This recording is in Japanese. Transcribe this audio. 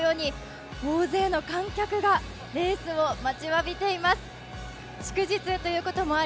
ということでご覧のように大勢の観客がレースを待ちわびています。